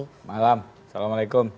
selamat malam assalamualaikum